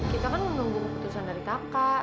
kita kan menunggu keputusan dari kakak